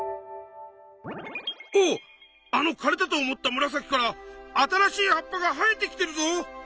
おっあの枯れたと思ったムラサキから新しい葉っぱが生えてきてるぞ！